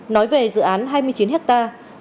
nói về dự án hai mươi chín hectare